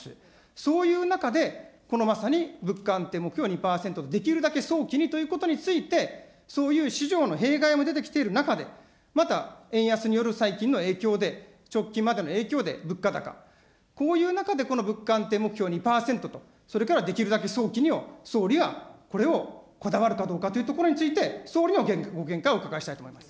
そういう中で、このまさに物価安定目標２％、できるだけ早期にということについて、そういう市場の弊害も出てきている中で、また、円安による最近の影響で、直近までの影響で物価高、こういう中で、この物価安定目標２％と、それからできるだけ早期にを、総理はこれを、こだわるかどうかというところについて、総理のご見解をお伺いしたいと思います。